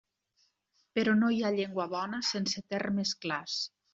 Però no hi ha llengua bona sense termes clars.